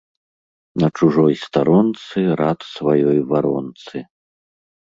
На чужой старонцы рад сваёй варонцы